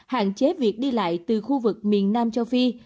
hạn chế việc đi lại từ khu vực miền nam châu phi